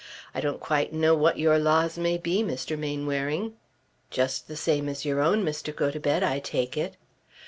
I don't quite know what your laws may be, Mr. Mainwaring." "Just the same as your own, Mr. Gotobed, I take it."